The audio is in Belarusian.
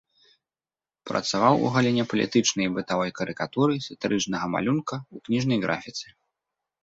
Працаваў у галіне палітычнай і бытавой карыкатуры, сатырычнага малюнка, у кніжнай графіцы.